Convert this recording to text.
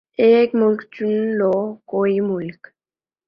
ایک مُلک چُن لو کوئی مُلک